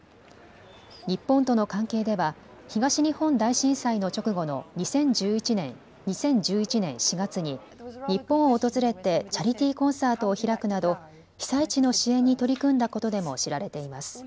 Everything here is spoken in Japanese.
日本との関係では東日本大震災の直後の２０１１年４月に日本を訪れてチャリティーコンサートを開くなど被災地の支援に取り組んだことでも知られています。